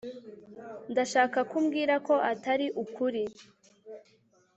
ndashaka ko umbwira ko atari ukuri